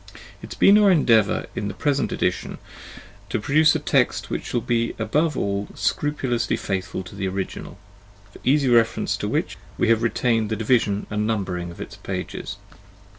It has been our endeavour in the present edition to produce a text which shall be above all else scrupulously faithful to the original, for easy reference to which we have retained the division and numbering of its pages.